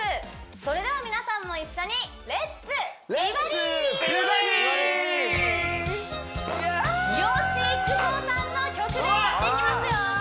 それでは皆さんも一緒にイエース吉幾三さんの曲でやっていきます